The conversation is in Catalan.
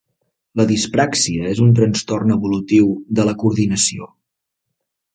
La dispràxia és un trastorn evolutiu de la coordinació.